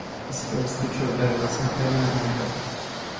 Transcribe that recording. His first teacher there was Mikhail Naigof.